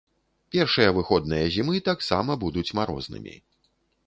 Першыя выходныя зімы таксама будуць марознымі.